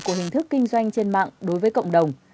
của hình thức kinh doanh trên mạng đối với cộng đồng